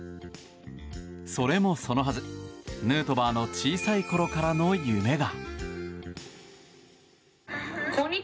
それもそのはず、ヌートバーの小さいころからの夢が。